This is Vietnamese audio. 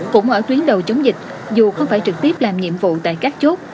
cũng ở tuyến đầu chống dịch dù không phải trực tiếp làm nhiệm vụ tại các chốt